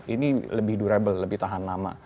ini lebih durable lebih tahan lama